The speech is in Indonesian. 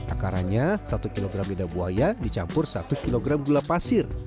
akaranya satu kilogram lidah buaya dicampur satu kilogram gula pasir